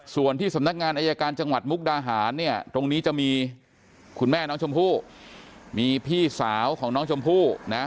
ส่วนที่สำนักงานอายการจังหวัดมุกดาหารเนี่ยตรงนี้จะมีคุณแม่น้องชมพู่มีพี่สาวของน้องชมพู่นะ